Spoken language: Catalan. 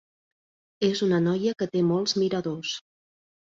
És una noia que té molts miradors.